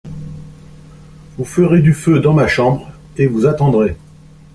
Vous ferez du feu dans ma chambre et vous attendrez.